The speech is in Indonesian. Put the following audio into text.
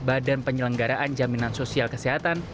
badan penyelenggaraan jaminan sosial kesehatan